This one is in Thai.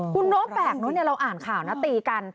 คุณโน้มแปลกเราอ่านข่าวหน้าตีกัน